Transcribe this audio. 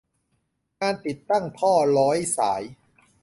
งานติดตั้งท่อร้อยสาย